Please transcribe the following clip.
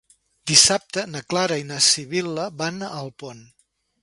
Dissabte na Clara i na Sibil·la van a Alpont.